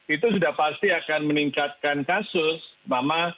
itu sudah pasti akan meningkatkan kasus mama